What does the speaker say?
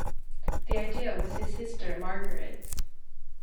The idea was his sister Margaret's.